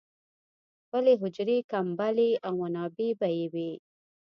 خپلې حجرې، کمبلې او منابع به یې وې.